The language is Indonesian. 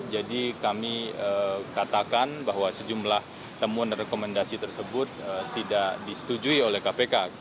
jadi kami katakan bahwa sejumlah temuan dan rekomendasi tersebut tidak disetujui oleh kpk